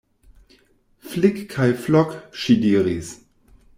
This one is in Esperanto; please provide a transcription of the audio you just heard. Flik kaj Flok, ŝi diris.